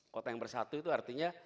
kota yang bersatu itu artinya